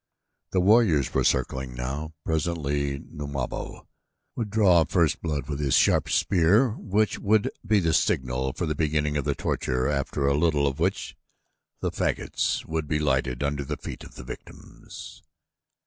The warriors were circling now. Presently Numabo would draw first blood with his sharp spear which would be the signal for the beginning of the torture after a little of which the fagots would be lighted around the feet of the victims.